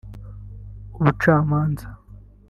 Ubucamanza